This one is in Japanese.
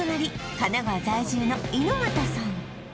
神奈川在住の猪股さん